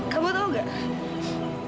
kamu tau gak